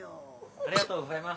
ありがとうございます。